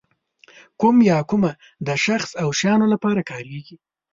کوم یا کومه د شخص او شیانو لپاره کاریږي.